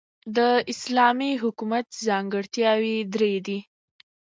د اسلامی حکومت ځانګړتیاوي درې دي.